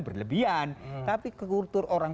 berlebihan tapi kekultur orang